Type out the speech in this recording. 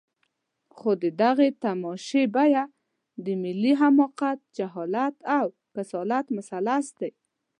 خو د دغې تماشې بیه د ملي حماقت، جهالت او کسالت مثلث دی.